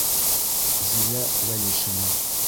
Зилә ВӘЛИШИНА.